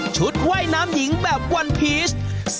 ว่ายน้ำหญิงแบบวันพีช